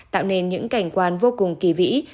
tạo nên những cảnh quan vô cùng kỳ vĩ